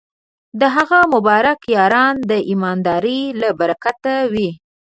د هغه مبارک یارانو د ایماندارۍ له برکته وې.